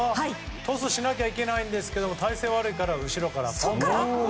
トスしなきゃいけないんですけど体勢が悪いんですけど後ろから。